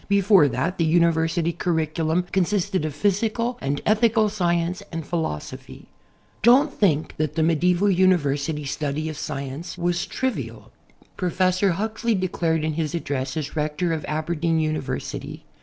Before that the university curriculum consisted of physical and ethical science and ])hilosophy. Don't think that the medieval university study of science was trivial. Professor Huxley declared in his address as Rector of Aberdeen University.